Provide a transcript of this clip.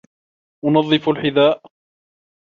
أُنَظِّفُ الْحِذاءَ.